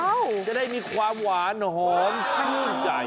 จะได้มีความหวานหอมชื่นใจ